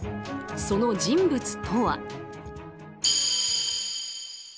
その人物とは。